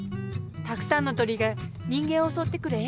たくさんの鳥が人間をおそってくるえ